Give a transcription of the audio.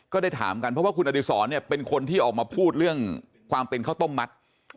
ได้ถามกันเพราะว่าคุณอดีศรเนี่ยเป็นคนที่ออกมาพูดเรื่องความเป็นข้าวต้มมัด